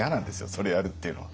それをやるっていうのは。